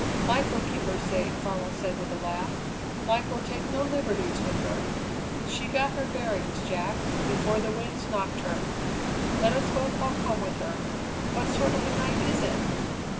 "Life will keep her safe," Farwell said with a laugh. "Life will take no liberties with her. She got her bearings, Jack, before the winds knocked her. Let us both walk home with her. What sort of a night is it?"